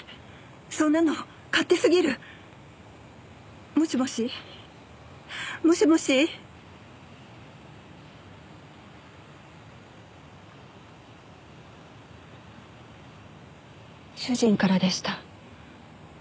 そんなの勝手すぎる！もしもし？もしもし？主人からでした。